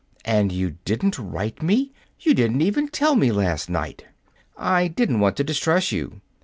"And you didn't write me! You didn't even tell me, last night!" "I didn't want to distress you.